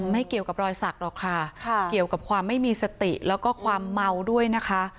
ไม่เกี่ยวกับรอยสักหรอกค่ะเกี่ยวกับความไม่มีสติแล้วก็ความเมาด้วยนะคะ